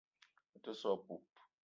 Me te so a poup.